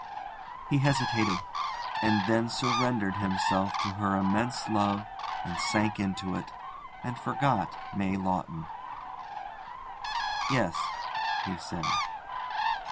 He hesitated, and then surrendered himself to her immense love and sank into it, and forgot May Lawton. 'Yes,' he said.